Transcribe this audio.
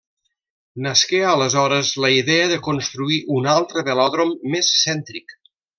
Nasqué aleshores la idea de construir un altre velòdrom més cèntric.